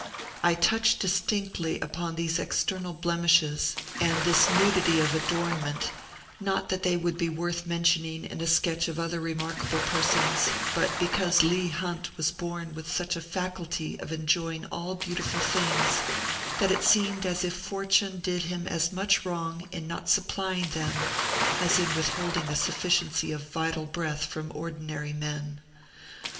I touch distinctly upon these external blemishes and this nudity of adornment, not that they would be worth mentioning in a sketch of other remarkable persons, but because Leigh Hunt was born with such a faculty of enjoying all beautiful things that it seemed as if Fortune, did him as much wrong in not supplying them as in withholding a sufficiency of vital breath from ordinary men.